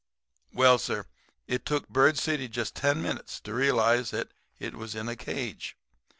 "Well, sir, it took Bird City just ten minutes to realize that it was in a cage.